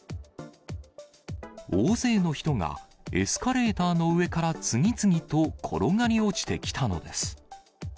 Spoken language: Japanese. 大勢の人がエスカレーターの上から次々と転がり落ちてきたのです。